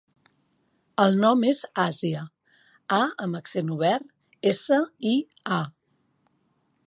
El nom és Àsia: a amb accent obert, essa, i, a.